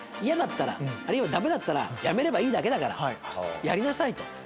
嫌だったらあるいはダメだったらやめればいいだけだからやりなさいと。